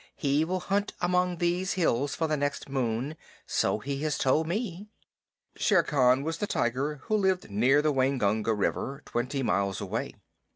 He will hunt among these hills for the next moon, so he has told me." Shere Khan was the tiger who lived near the Waingunga River, twenty miles away.